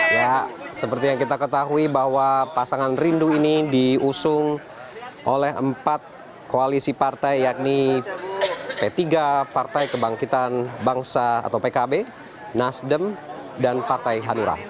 ya seperti yang kita ketahui bahwa pasangan rindu ini diusung oleh empat koalisi partai yakni p tiga partai kebangkitan bangsa atau pkb nasdem dan partai hanura